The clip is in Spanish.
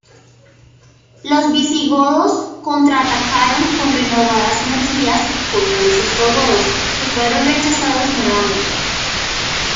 Los visigodos contraatacaron con renovadas energías contra los ostrogodos, que fueron rechazados nuevamente.